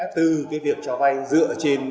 từ cái việc cho vay dựa trên